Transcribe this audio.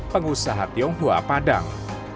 pengusaha pemerintah kota padang